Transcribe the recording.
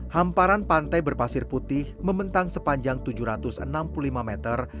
hamparan pantai berpasir putih mementang sepanjang tujuh ratus enam puluh lima meter